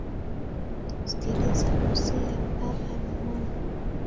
Sikiliza wosia wa baba na mama